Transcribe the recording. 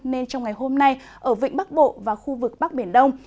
nên trong ngày hôm nay ở vịnh bắc bộ và khu vực bắc biển đông